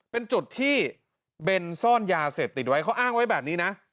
เป็นจุดที่เบนซ่อนยาเสพติดไว้เขาอ้างไว้แบบนี้นะ